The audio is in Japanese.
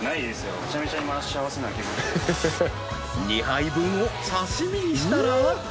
［２杯分を刺し身にしたら］